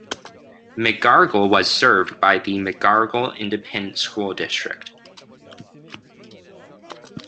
Megargel was served by the Megargel Independent School District.